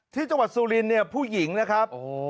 ที่จังหวัดสุรินเนี่ยผู้หญิงนะครับ